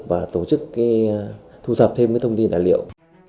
và tổ chức thu thập thêm thông tin tài liệu